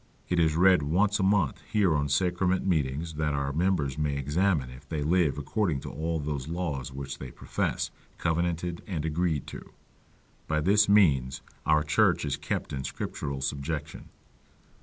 It is read once a month here on sacrament meetings, that our members may examine if they live according to all those laws which they profess, covenanted and agreed to; by this means our church is kept in scriptural subjection.